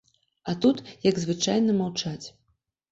А тут, як звычайна маўчаць.